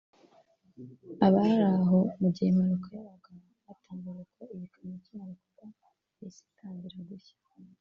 Abari aho mu gihe impanuka yabaga batangaje ko iyi kamyo ikimara kugwa yahise itangira gushya